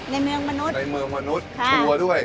ในเมืองมนุษย์ในเมืองมนุษย์ชัวร์ด้วย